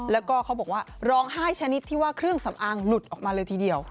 แล้วก็เขาบอกว่าร้องไห้ชนิดที่ว่าเครื่องสำอางหลุดออกมาเลยทีเดียว